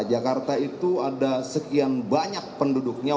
jakarta itu ada sekian banyak penduduknya